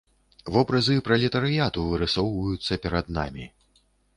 Вобразы пралетарыяту вырысоўваюцца перад намі.